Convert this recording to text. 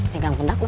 pegang pundak gue